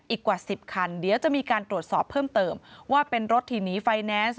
กว่า๑๐คันเดี๋ยวจะมีการตรวจสอบเพิ่มเติมว่าเป็นรถที่หนีไฟแนนซ์